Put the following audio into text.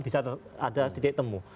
bisa ada titik temu